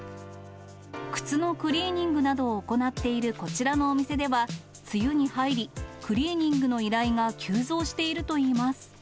靴のクリーニングなどを行っているこちらのお店では、梅雨に入り、クリーニングの依頼が急増しているといいます。